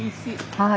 はい。